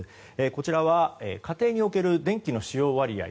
こちらは家庭における電気の使用割合。